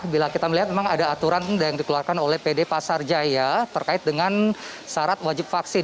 bila kita melihat memang ada aturan yang dikeluarkan oleh pd pasar jaya terkait dengan syarat wajib vaksin